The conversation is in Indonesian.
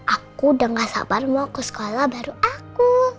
aku udah gak sabar mau ke sekolah baru aku